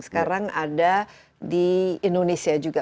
sekarang ada di indonesia juga